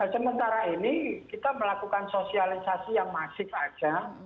sementara ini kita melakukan sosialisasi yang masif aja